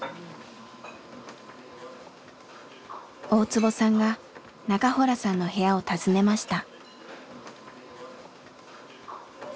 大坪さんが中洞さんの部屋を訪ねました。